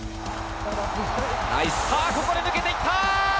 ここで抜けていった。